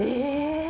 ええ！